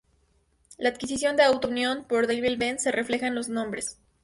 La adquisición de Auto Union por Daimler-Benz se refleja en los nombres.